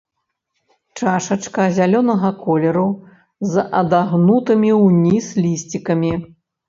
Чашачка зялёнага колеру, з адагнутымі ўніз лісцікамі.